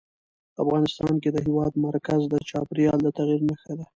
افغانستان کې د هېواد مرکز د چاپېریال د تغیر نښه ده.